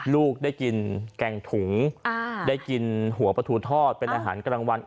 ลูกได้กินแกงถุงได้กินหัวปลาทูทอดเป็นอาหารกลางวัน